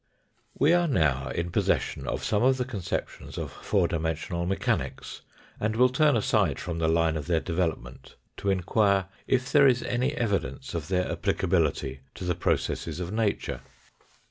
We are now in possession of pome of the conceptions of four dimensional mechanics, and will turn aside from the line of their development to inquire if there is any evidence of their applicability to the processes of nature.